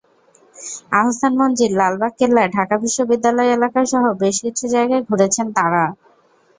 আহসান মঞ্জিল, লালবাগ কেল্লা, ঢাকা বিশ্ববিদ্যালয় এলাকাসহ বেশ কিছু জায়গায় ঘুরেছেন তাঁরা।